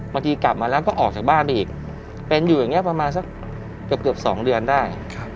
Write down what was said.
กลับมาแล้วก็ออกจากบ้านไปอีกเป็นอยู่อย่างนี้ประมาณสักเกือบ๒เดือนได้